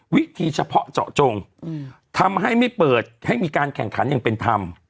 วิธีเฉพาะเจาะจงทำให้ไม่เปิดให้มีการแข่งขันอย่างเป็นธรรม